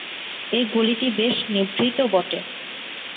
এ গলিটি বেশ নিভৃত বটে।